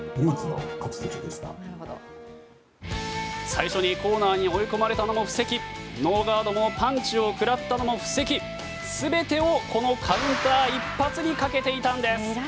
最初にコーナーに追い込まれたのも布石ノーガードのパンチを食らったのも布石全てをこのカウンター一発にかけていたんです。